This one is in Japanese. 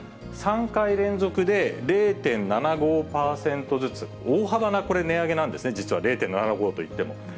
３回連続で０．７５％ずつ大幅なこれ、値上げなんですね、実は０．７５といっても。